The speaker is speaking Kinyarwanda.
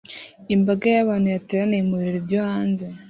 Imbaga y'abantu yateraniye mu birori byo hanze